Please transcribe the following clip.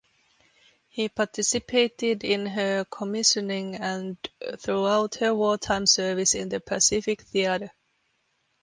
He participated in her commissioning and throughout her wartime service in the Pacific theatre.